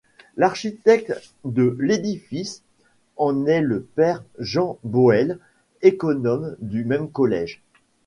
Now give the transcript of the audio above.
L’architecte de l’édifice en est le père Jan Boele, économe du même collège.